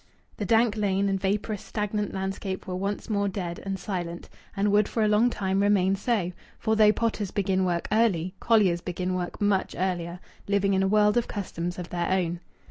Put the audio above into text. The dank lane and vaporous, stagnant landscape were once more dead and silent, and would for a long time remain so, for though potters begin work early, colliers begin work much earlier, living in a world of customs of their own.